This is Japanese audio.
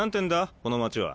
この町は。